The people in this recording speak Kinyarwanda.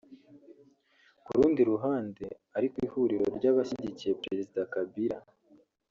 Ku rundi ruhande ariko ihuriro ry’abashyigikiye Perezida Kabila